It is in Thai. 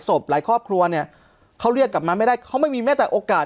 หลายครอบครัวเนี่ยเขาเรียกกลับมาไม่ได้เขาไม่มีแม้แต่โอกาส